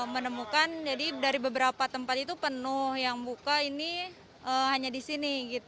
menemukan jadi dari beberapa tempat itu penuh yang buka ini hanya di sini